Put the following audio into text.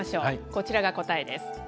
こちらが答えです。